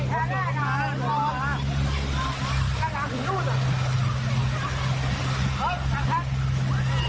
มีคนเงื่อยมีคนเงื่อยมีคนเงื่อยมีคนเงื่อยมีคนเงื่อยมีคนเงื่อยมีคนเงื่อย